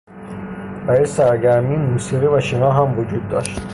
برای سرگرمی موسیقی و شنا هم وجود داشت.